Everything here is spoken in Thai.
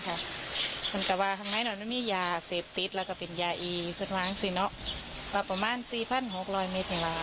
พวกเราอาจจะว่าขึ้นทีข้างในตอนนี้มียาเสพติ๊ดก็เป็นยาอีฟึงนะคะว่าประมาณ๔๖๐๐เมตรนั่งเนี่ยนะ